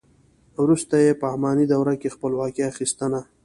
وروسته یې په اماني دوره کې خپلواکي اخیستنه.